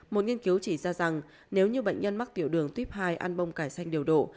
một nghiên cứu chỉ ra rằng nếu như bệnh nhân mắc tiểu đường tuyếp hai ăn bông cải xanh điều độ